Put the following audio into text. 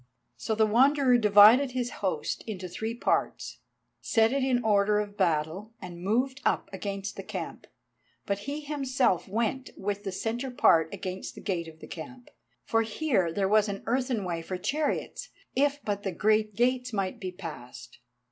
So the Wanderer divided his host into three parts, set it in order of battle, and moved up against the camp. But he himself went with the centre part against the gate of the camp, for here there was an earthen way for chariots, if but the great gates might be passed.